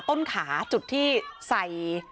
ต้นขาจุดที่ใส่